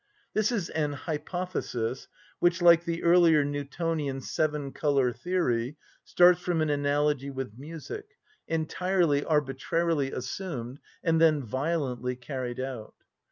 This is an hypothesis which, like the earlier Newtonian seven‐colour theory, starts from an analogy with music, entirely arbitrarily assumed, and then violently carried out.